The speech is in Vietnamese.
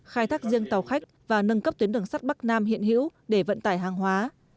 khai thác riêng tàu khách và nâng cấp tuyến đường sắt bắc nam hiện hữu để vận tải hàng hóa